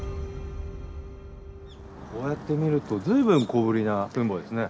こうやって見ると随分小ぶりな墳墓ですね。